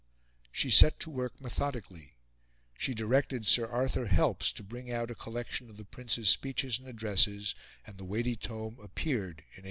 She set to work methodically. She directed Sir Arthur Helps to bring out a collection of the Prince's speeches and addresses, and the weighty tome appeared in 1862.